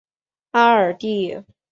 阿尔蒂。